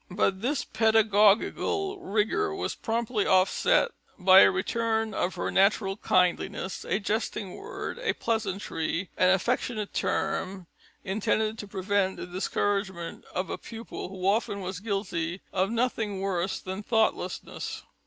But this pedagogical rigour was promptly offset by a return of her natural kindliness, a jesting word, a pleasantry, an affectionate term intended to prevent the discouragement of a pupil who often was guilty of nothing worse than thoughtlessness.